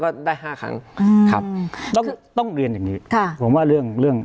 ได้ห้าครั้งอืมครับต้องต้องเรียนอย่างงี้ค่ะผมว่าเรื่องเรื่อง